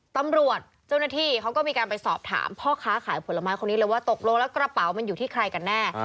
ตำรวจเจ้าหน้าที่เขาก็มีการไปสอบถามพ่อค้าขายผลไม้คนนี้เลยว่าตกลงแล้วกระเป๋ามันอยู่ที่ใครกันแน่